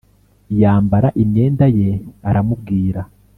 yambara imyenda ye aramubwira